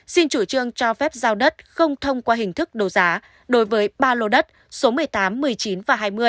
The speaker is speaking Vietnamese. xin chủ trương cho phép giao đất không thông qua hình thức đấu giá đối với ba lô đất số một mươi tám một mươi chín và hai mươi